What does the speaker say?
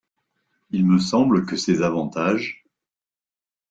Il me semble que ces avantages…